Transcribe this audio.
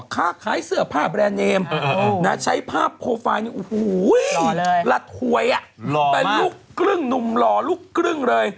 ค้าขายเสื้อผ้าแบรนด์เนมใช้ภาพโปรไฟล์นี้ละถวยเป็นลูกครึ่งหนุ่มหล่อลูกครึ่งเลย